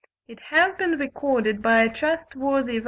It has been recorded by a trustworthy writer (11.